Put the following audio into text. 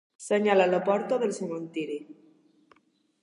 Senyal a la porta del cementiri.